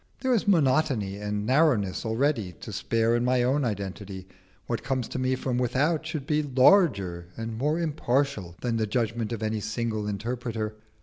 There is monotony and narrowness already to spare in my own identity; what comes to me from without should be larger and more impartial than the judgment of any single interpreter.